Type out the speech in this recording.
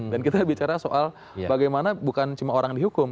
dan kita bicara soal bagaimana bukan cuma orang yang dihukum